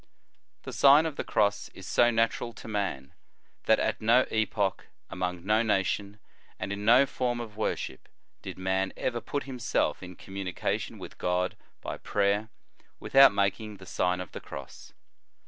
The Sien of the Cross is so natural to man, o that at no epoch, among no nation, and in no form of worship, did man ever put himself in communication with God by prayer, without making the Sign of the Cross.